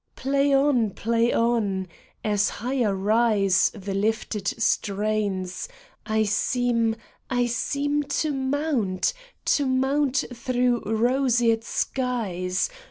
Play on ! Play on ! As higher rise The lifted strains, I seem, I seem To mount, to mount through roseate skies.